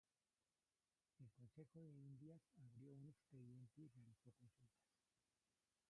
El Consejo de Indias abrió un expediente y realizó consultas.